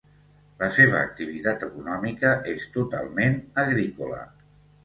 La seva activitat econòmica és totalment agrícola.